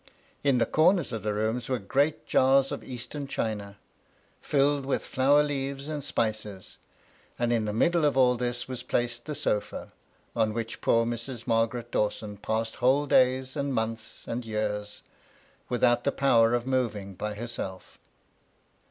In the comers of the rooms were great jars of Eastern china, filled with flower leaves and spices; and in the middle of all this was placed the sofa, on which poor Mrs. Margaret Dawson passed whole days, and months, and years, without the power of moving by heroclf.